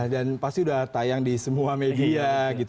dan pasti sudah tayang di semua media